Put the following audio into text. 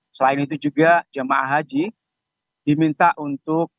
selain itu juga jemaah haji diminta untuk